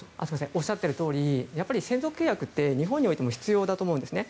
おっしゃってるとおり専属契約って日本においても必要だと思うんですね。